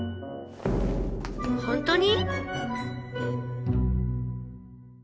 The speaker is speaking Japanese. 本当に？